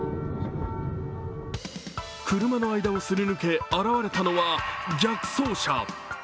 車の間をすり抜け現れたのは逆走車。